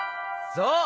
そう！